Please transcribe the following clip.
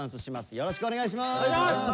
よろしくお願いします。